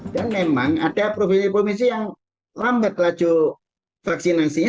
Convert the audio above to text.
dan memang ada provinsi provinsi yang lambat laju vaksinasinya